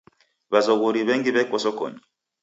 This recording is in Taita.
W'azoghori w'engi w'eko sokonyi.